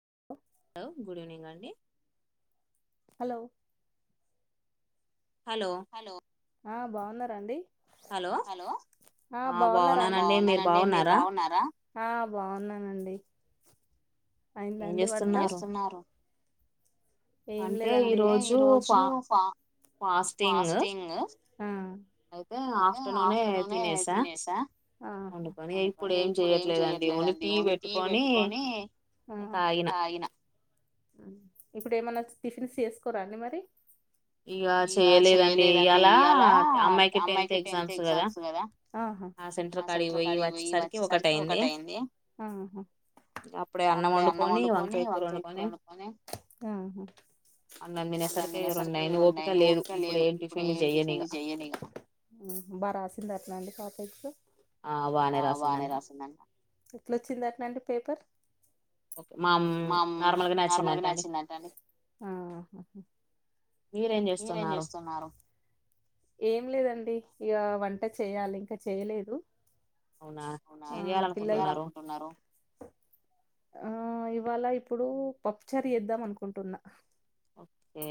[inaudible] Hello good evening అండి hello hello ఆ బాగున్నారాండి హలో బాగున్నా బాగున్ననండి మీరు బాగున్నారా ఆ బాగున్నానండి అయిందండి వంట ఏం చేస్తున్నారు ఏం లేదండి ఈ రోజు ఫ ఫాస్టింగ్ అయితే ఆఫ్టర్నూన్ తినేసా అందుకని ఇప్పుడు ఏం చెయట్లేదండి ఓన్లీ టీ పెట్టుకొని తాగిన ఇప్పుడు ఏమైన్నా టిఫిన్స్ చేసుకోరా అండి మరి ఇక చెయలేదండి ఇవాలా అమ్మాయికి టెన్త్ ఎగ్జామ్స్ కదా ఆహ ఆ సెంటర్ కాడ ఇవి ఇ వచ్చేసరికి ఒకటియింది అప్పుడే అన్నం వండుకొని వంకయ కూర వం అవు అంది నె సరికా గరు ఉన్నాయ ఓటుకా లేదు ఇప్పుడు ఏ ఏంటిష చెయలే బా రాసింది అట్లా అండి పాప ఆ వానే రాసిందన్న ఎట్లొచ్చింది అటనండి పేపర్ ఓకే మా నార్మల్గా నార్మల్గా నచ్చిన్నడి మీరేం చేస్తున్నారు ఏం లేదండి ఇక వంట చేయాలి ఇంకా చేయలేదు అవునా ఏం చెయాలనుకుంటున్నారు ఆ ఇవాళ ఇప్పుడు పప్చర్ చేద్దాం అనుకుంటున్నా ఓకే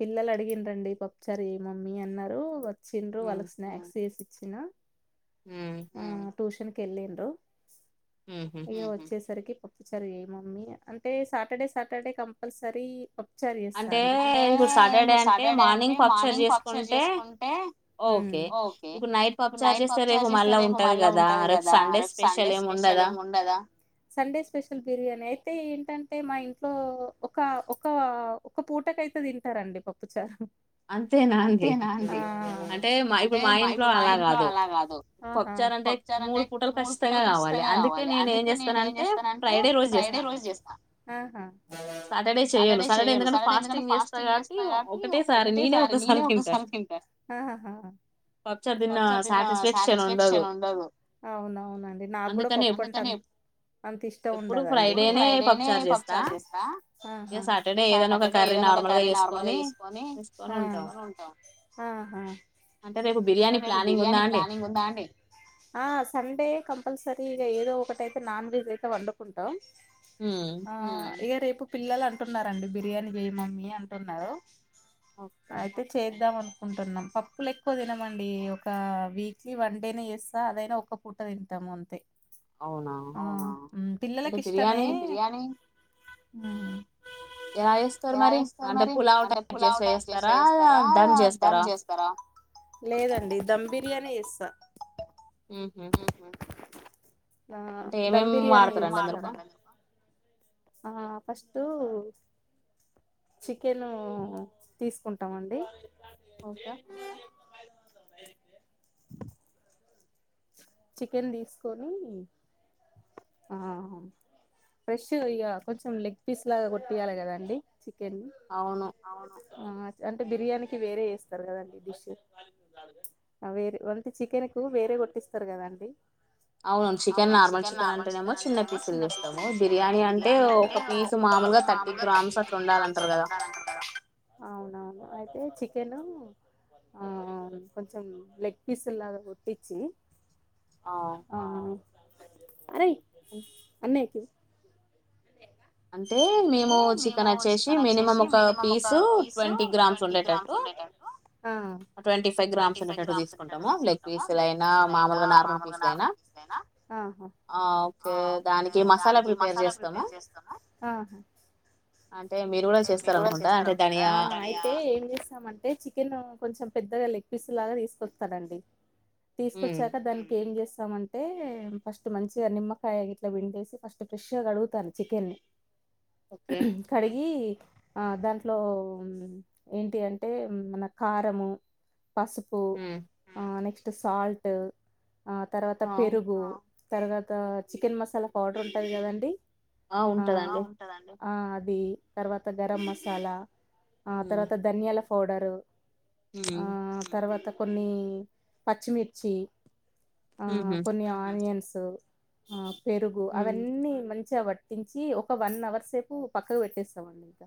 పిల్లలు అడిగిన రండి పప్పుచర ఏమో మమ్ అన్నారు [unintelligible] వచ్చిన హ ట్యూషన్ కి వెళ్ళిండు [unintelligible] రి పప్పుారు ఏమ్ అంటే సాటర్డే సాటర్డే కంపల్సరీ అంటే ఇప్పుడు సాటర్డే అంటే మార్నింగ్ పప్చర్ అ చేసుకుంట ఏంటంటే మా ఇంట్లో ఒక ఒక ఒక పూటకైతే తింటారండి పప్పుచారం అంతేనా అంటే మా ఇప్పుడు మా ఇంట్లో అలా కాదు పప్పుచార్ అంటే మూడు పూటలు కఖచ్చితంగా కావాలి అందుకే నేను ఏం చేస్తాన అంటే ఫ్రైడే రోజు చేస్తాను సాటర్డే చెయను సాటర్డే ఎందుకంటే ఫాస్టింగ్ చేస్తా కాబట్టి ననే నే ఒకసారి తింటాను పచార్ తిన్న సాటిస్ఫాక్షన్ ఉండదు అవునవునండి నాకు కూడా పప్పుంట అంత ఇష్టం ఉండదండి ఫ్రైడే పచార్ చేస్తా సాటర్డే ఏదనా ఒక కర్రీ నార్మల్గా వేసుకొని అంటే మీకు బిర్యానీ ప్లానింగ్ ఉందా అండి సండే కంపల్సరీ అయితే ఇక ఏదో ఒకటితే నాన్ వెజ్ అయితే వండుకుంటాం ఆ ఇర రేపు పిల్లలు అంటున్నారంండి బిర్యానీ వయ మమ్ అంటున్నారు అయితే చేద్దామను కుంటున్నాం పప్పులు ఎక్కువ తినమండి ఒక వీక్లీ వన్ డేనే చేస్తా అదైనా ఒక్క పూట తింటాము అంతే ఆ పిల్లలకు ఇష్టమే ఎలా చేస్తారు మరి అంటే పులావు టైపు [unintelligible] చేస్తారు లేదండి ధమ్ బి గానే చేస్తా ఊహూ హ్మ్ దమ్ బిర్యానీ ఆ ఫస్ట్ చికెన్ తీసుకుంటామండి చికెన్ తీసుకొని ఆ ఫ్రెష్ ఇక కొంచెం లెగ్ పీస్ లాగా కొట్టియాలి కద అండి అవును బిర్యానీకి వేరే చేస్తారు కదండి డిష్, ఆ వేరే వాళ్లకి చికెన్ ఎక్కువ వేరే కొట్టిస్ తరు కదండి అవును అవునులే హా. ఏ చికెన్ ఆ కొంచెం లెగ్ పీసుల్లాగ కొట్టించి ఆ అరే అన్నయ్ కి అంటే మేము చికెన్ వచ్చేసి మినిమం ఒక పీసు ట్వంటీ గ్రామ్స్ ఉండేటట్టు. ఆ ఆహా ఆహా. ఆ అయితే ఏం చేస్తామంటే చికెను కొంచెం పెద్దగా లెగ్ పీసుల్లాగా తీసుకొస్తాడండి తీసుకొచ్చాక దానికి ఏం చేస్ స్తామంటే ఫస్ట్ మంచిగా నిమ్మకాయ ఇట్లా పిండేసి ఫస్ట్ ఫ్రెష్ గా కడుగుతారు చికెన్ని. మ్ హ్మ్ కడిగి ఆ దాంట్లో ఏంటి అంటే మన కారము పసుప్ హ్మ్ ఆ నెక్స్ట్ సాల్ట్ ఆ తర్వాత పెరుగు తర్వాత చికెన్ మసాలా పౌడర్ ఉంటది కదండి ఆ ఉంటదండి ఆ అది తర్వాత గరం మసాలా ఆ తర్వాత ధనియాల ఫ్ పౌడరు హ్ కొన్ని పచ్చిమిర్చి ఆహా కొన్ని ఆనియన్స్ తో ఆ పెరుగు అవన్నీ మంచిగా వాట్ ట్టించి ఒక వన్ అవర్ సేపు పక్కకు పెట్టేస్తామండి ఇంకా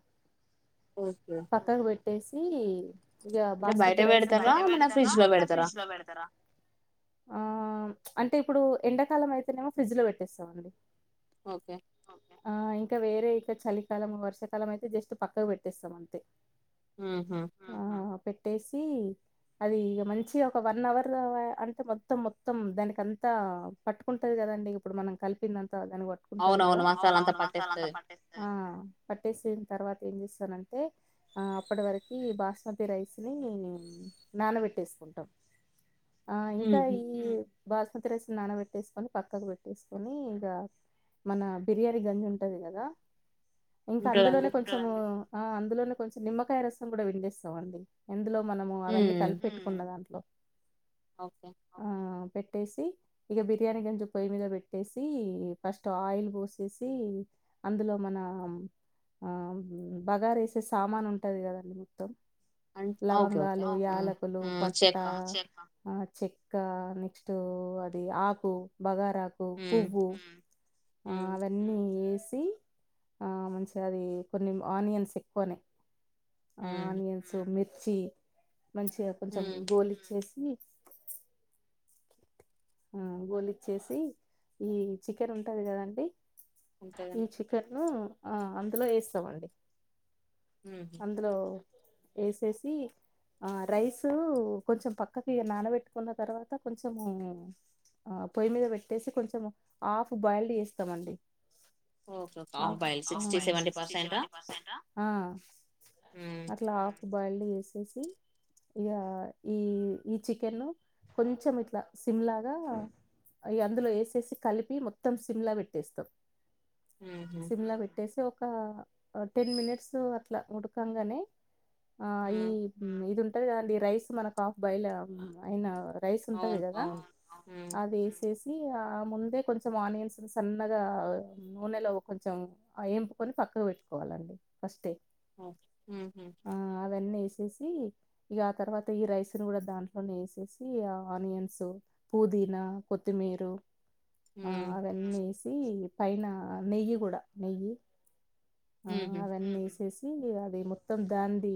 ఓకే ట్టేసి ఇగా బాస్మతి రైస్ ఆ అంటే ఇప్పుడు ఎండాకాలం అయితేనేమో ఫ్రిడ్జ్ లో పెట్టేస్తామండి. ఇంకా వేరే ఇక చలికాలం వర్షకాలం అయితే జస్ట్ పక్కకు పెట్టేస్తాం అంతే హ్ హు పెట్టేసి అది ఇగా మంచిగా ఒక వన్ అవర్ అంటే మొత్తం మొత్తం దానికి అంతా పట్టుకుంటది. కదండి ఇప్పుడు మనం కలిపిందంత దాని వట్టుకుంటది కదా అవునవును మా అంత పట్టిస్తాది ఆ పట్టేసిన తర్వాత ఏం చేస్తానంటే అప్పటి వరకు బాస్మతి రైస్ని నానబెట్టేసుకుంటాం. ఆ ఇంకా ఈ బాస్మతి రైసు నానబెట్టేసుకొని పక్కకు పెట్టేసుకొని ఇక మన బిర్యానీ గంజు ఉంట టది గాదా ఇంకా అందులోనే కొంచేము. ఆ అందులోనే కొంచెం నిమ్మకాయ రసం కూడా పిండేస్తాం. అండి ఎందులో మనము అవన్నీ కలిపెట్టుకున్న దాంట్లో ఓకే పెట్టేసి ఇక బిర్యానీ కొంచెం పొయ్యి మీద పెట్టేసి ఫస్ట్ ఆయిల్ పోసేసి అందులో మన ఆ బగార ఏసే సామాన్ ఉంటది. కదండి మొత్తం లవంగాలు యాలకులు పట్టా ఆ చెక్క నెక్స్ట్ అది ఆకు బగార హ్ హ్ సి ఆ మంచిగా అది కొన్ని ఆనియన్స్ ఎక్కువగానే ఆ ఆనియన్స్ మీర్ చి మంచిగా కొంచెం గోలిచ్చేసి ఆ ఒలిచ్చేసి ఈ చికెన్ ఉంటాది కదండి ఈ చికెన్ ఆ అందులో వేస్తామండి అందులో వేసేసి ఆ రైసు కొంచెం పక్కకి నానబెట్టుకున్న తర్వాత కొంచెము ఆ పొయ్యి మీద పెట్టేసి కొంచెం హాఫ్ బాయిల్డ్ చేస్తామండి okay okay half boiled sixty seventy percent ఆ ఆ అట్లా ఆతిన్ బాయిల్డ్ చేసేసి ఇగా ఈ చికెన్ కొంచెం ఇట్లా సిమ్లా లాగ ఈ అందులో వేసేసి కలిపి మొత్తం సిమ్ లా పెట్టేస్తాం సిమ్ముల పెట్టేసి ఒక క టెన్ మినిట్స్ అట్లా ఉడకంగానే ఆ ఈ ఇదిన్ టది కదండి రైస్ మనకు ఆఫ్ బాయిల్ అయిన రైస్ ఉంటది కదా అది ఎసి వేసి ఆ ముందే కొంచెం ఆనియన్స్ సన్నగా నూనెలో కొంచెం ఏంపుకొని పక్క పెట్టుకోవాలండి ఫస్ట్ఏ హ్మ్ చేసి ఇగా ఆ తర్వాత ఈ రైస్ ను కూడా దాంట్లోనే వేసేసి ఆ ఆనియన్స్ పుదీనా కొత్తిమీరు ఆ అవ్వని వేసి పైన నెయ్యి కూడా నెయ్యి ఆ అవన్నీ చ్చసి అది మొత్తం దానిది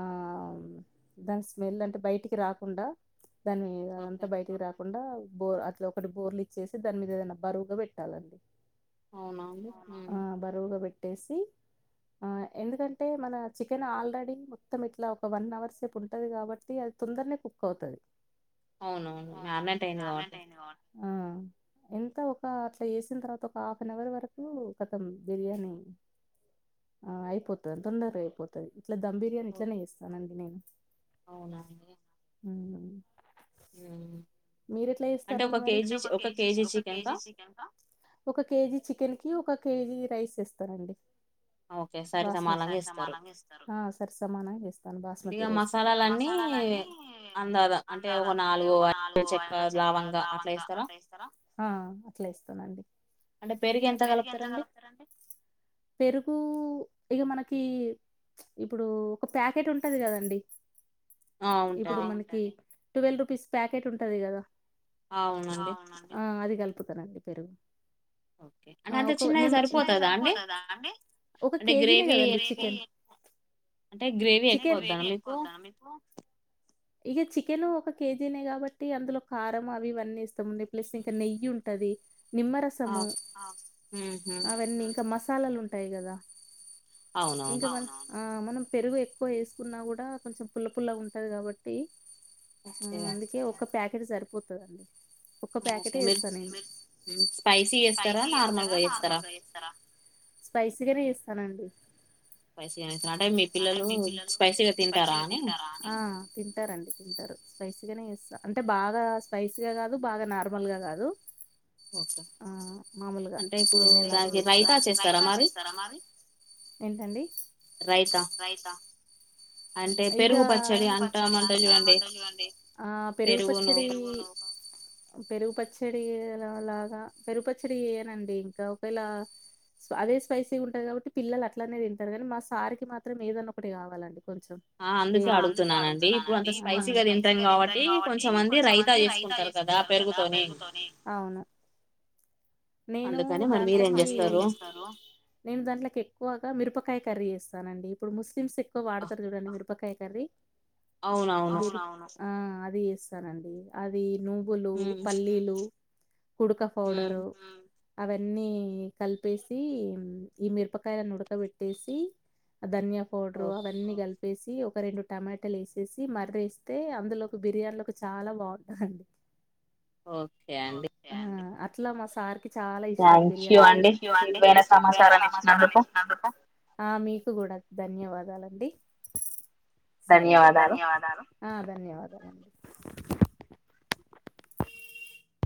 ఆ దాని స్మెల్ అంటే బయటికి రాకుండా దాని మీద కాకుండా బోర్ అట్లా ఒకటి బోర్లు ఇచ్చేసి దాని మీద ఏదైనా బరువుగా పెట్టాలండి అవునాండి పెట్టేసి ఎందుకంటే మన చికెన్ ఆల్రెడీ మొత్తం ఇట్లా ఒక వన్ అవర్ సేపు ఉంటుంది కాబట్టి అది తొందరనే కుక్ అవుతది. అవునవును మ్యాగ్నెట్ అయింది కాబట్టి హా ఎంత ఒక అట్లా వేసిన తర్వాత ఒక హాఫ్ అన్ అవర్ వరకు కతం బిర్యానీ అయిపోతది తొందరగా అయిపోతది దమ్ బిర్యాని ఇట్లానే చేస్తా హా అవునా మ్మ్ మీరు ఎట్లా చేస్తారండి మరి ఒక కేజీ చికెన్ కి ఒక కేజీ రైస్ ఇస్తానండి. బాస్మతి సరి సమానంగా ఎస్తారు. బాస్మతి రైస్ ఇక మసాలాలన్నీ అందదా అంటే ఒక నాలుగు చెక్క, లవంగా అట్లా ఏస్తారా ఆ అట్లా ఏస్తానండి అంటే పెరుగు ఎంత కలుపుతరండి పెరుగు ఇగా మనకి ఇప్పుడు ఒక ప్యాకెట్ ఉంటది కదండి ఇప్పుడు మనకి టువేల్ రుపీస్ ప్యాకెట్ ఉంట్ అదే కదా ఆ అది కలుపు నండి [unintelligible] పెరుగు అంత చిన్నది సరిపోతదా అండి ఒక కెజీ నే కదండీ చికెన్ గ్రేవీ ఎక్కువ ఉండాల మీకు ఇక చికెను ఒక కేజినే కాబట్టి అందులో కారం అవి ఇవన్నీ ఇస్తాము ప్లస్ ఇంకా నెయ్యి ఉంటది నిమ్మరసము అవన్నీ ఇంకా మ మాసాలు ఉంటాయి కదా ఇంకా మనం ఆ మనం పెరుగు ఎక్కువ వేసుకున్నా కూడా కొంచెం పుల్ల పుల్ల ఉంటది కాబట్టి. ఆ అందుకే ఒక్క ప్యాకెట్ సరిపోతాద ఒక ప్యాకెటే వేస్తా నేను స్పైసీగానే చేస్తానండి స్పైసీగా అంటే మీ పిల్లలు స్పైసీగా తింటారా అని తింటారండి తింటారు స్పైసీగానే చేస్తా అంటే బాగా స్పైసీగా కాదు బాగా నార్మల్గా కాదు ఆ మామూలుగా తినేలాగా చేస్తా ఏంటాండి, ఇగ ఆ పెరుగు పచ్చడి పెరుగు పచ్చడిలాలాగా పెరుగు పచ్చడి ఎ నండి ఇంకా ఒకవేళ అదే స్పైసీ ఉంటది కాబట్టి పిల్లలు అట్లనే తింటారు కానీ మా సారికి మాత్రం ఏదన్న ఒకటి కావాలండి ఆ అందుకే అడుగుతున్నానండి ఇప్పుడు అంత స్పైసీగా తింటాం కాబట్టి కొంచె కొంతమంది రైతా చేసుకుంటారు కదా పెరుగుతోనే నేను దాంట్లోకి నేను దాంట్లోకి ఎక్కువగా మిరుప వంకాయ కర్రీ చేస్తానండి ఇప్పుడు ముస్లింమ్స్ వాడుతారు కదండీ మిరపకాయలు కర్రీ అవునవును ఆ అది నండి అది నువ్వులు పల్లీలు కుడుక పౌడరు అవన్నీ కలిపేసి ఈ మిరపకాయలను ఉడకబెట్టేసి ధన్యా పౌడర్ అవన్నీ గల్పి వేసి ఒక రెండు టమాటాలు వేసేసి మర్రిస్తే అందులోకి బిర్యానీలకు చాలా బాగుంటందండి ఓకే అండి అట్లా మా సార్ కి చాలా ఇష్టం బిర్యానీ ఆ మేకు కూడా ధన్యవాదాలండి సరే అండి ఆ ధన్యవాదలు అండి